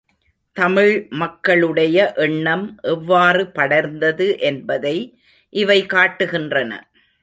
தமிழ் மக்களுடைய எண்ணம் எவ்வாறு படர்ந்தது என்பதை இவை காட்டுகின்றன.